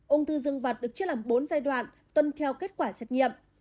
ung thư dương vạt được chia làm bốn giai đoạn tuân theo kết quả xét nghiệm